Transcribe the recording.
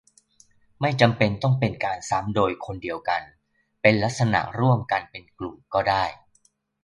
ไม่จำเป็นต้องเป็นการซ้ำโดยคนเดียวกัน-เป็นลักษณะร่วมกันเป็นกลุ่มก็ได้